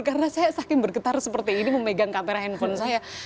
karena saya saking bergetar seperti ini memegang kamera handphone saya